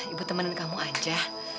ibu temenin kamu aja